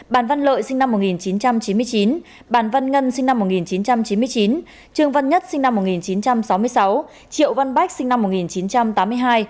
bàn văn lợi sinh năm một nghìn chín trăm chín mươi chín bàn văn ngân sinh năm một nghìn chín trăm chín mươi chín trương văn nhất sinh năm một nghìn chín trăm sáu mươi sáu triệu văn bách sinh năm một nghìn chín trăm tám mươi hai